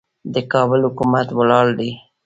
د کابل حکومت ولاړ دی.